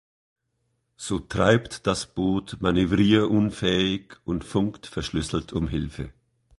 So treibt das Boot manövrierunfähig und funkt verschlüsselt um Hilfe.